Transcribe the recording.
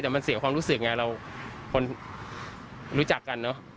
แต่มันเสียความรู้สึกไงเราคนรู้จักกันเนอะ